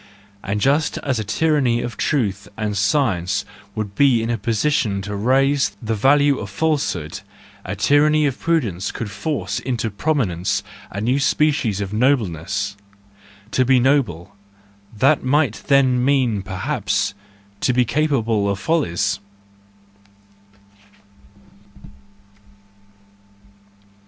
And just as a tyranny of truth and science would be in a position to raise the value of falsehood, a tyranny of prudence could force into prominence a new species of noble¬ ness. To be noble—that might then mean, perhaps, to be capable of follies.